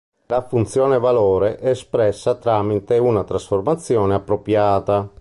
La funzione valore è espressa tramite una trasformazione appropriata.